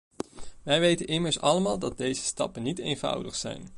Wij weten immers allemaal dat deze stappen niet eenvoudig zijn.